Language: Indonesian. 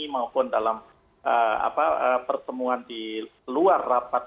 maupun dalam pertemuan di luar rapat